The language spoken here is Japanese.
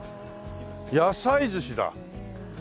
野菜寿司だ！